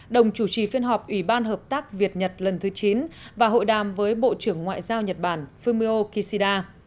đồng chủ trì phiên họp ủy ban hợp tác việt nhật lần thứ chín và hội đàm với bộ trưởng ngoại giao nhật bản fumio kishida